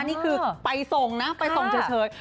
นี่คือไปส่งนะไปส่งเฉย